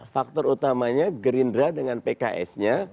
faktor utamanya gerindra dengan pks nya